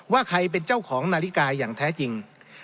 ว่าใครเป็นเจ้าของนาฬิกาอย่างแท้จริง